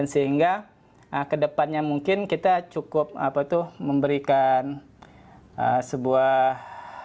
sehingga ke depannya mungkin kita cukup memberikan sebuah